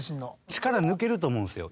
力抜けると思うんですよ。